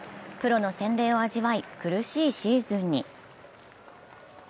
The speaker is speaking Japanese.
プロの洗礼を味わい苦しいシーズンに。